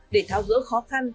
để thao dỡ khó khăn